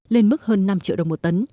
lên mức hơn năm triệu đồng một tấn